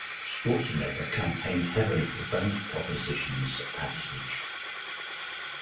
Schwarzenegger campaigned heavily for both propositions' passage.